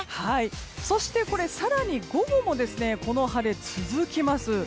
そして、更に午後もこの晴れは続きます。